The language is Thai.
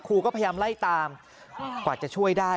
ก็พยายามไล่ตามกว่าจะช่วยได้